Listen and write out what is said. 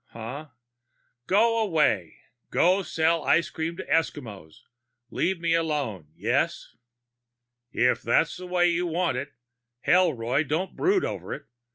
"Huh?" "Go away. Go sell ice to the Eskimos. Leave me alone, yes?" "If that's the way you want it. Hell, Roy, don't brood over it.